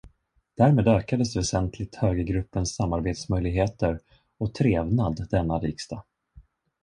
Därmed ökades väsentligt högergruppens samarbetsmöjligheter och trevnad denna riksdag.